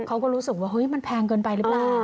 เขาก็รู้สึกว่าเฮ้ยมันแพงเกินไปหรือเปล่า